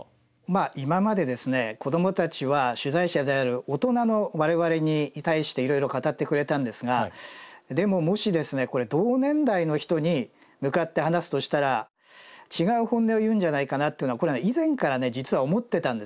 まあ今まで子どもたちは取材者である大人の我々に対していろいろ語ってくれたんですがでももしこれ同年代の人に向かって話すとしたら違う本音を言うんじゃないかなっていうのは以前から実は思ってたんですよ。